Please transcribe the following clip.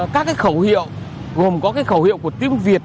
các cái khẩu hiệu gồm có khẩu hiệu của tiếng việt